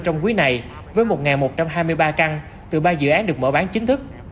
trong quý này với một một trăm hai mươi ba căn từ ba dự án được mở bán chính thức